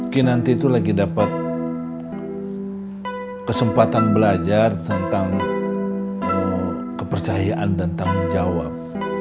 ki nanti itu lagi dapat kesempatan belajar tentang kepercayaan dan tanggung jawab